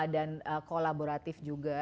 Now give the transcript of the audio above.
dan kolaboratif juga